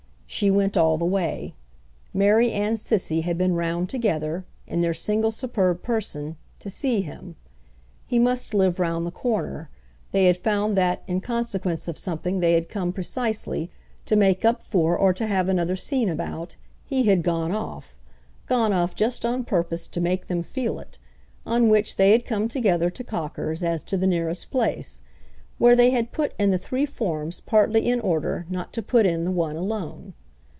She went all the way. Mary and Cissy had been round together, in their single superb person, to see him—he must live round the corner; they had found that, in consequence of something they had come, precisely, to make up for or to have another scene about, he had gone off—gone off just on purpose to make them feel it; on which they had come together to Cocker's as to the nearest place; where they had put in the three forms partly in order not to put in the one alone.